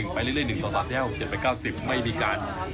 ไปเรื่อย๑สาวสาวเที่ยว๗๙๐